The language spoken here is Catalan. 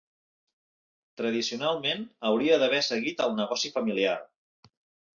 Tradicionalment, hauria d'haver seguit el negoci familiar.